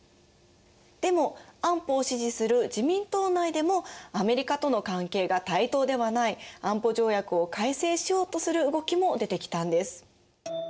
でも安保を支持する自民党内でもアメリカとの関係が対等ではない安保条約を改正しようとする動きも出てきたんです。